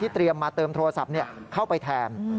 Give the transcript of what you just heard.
เตรียมมาเติมโทรศัพท์เข้าไปแทน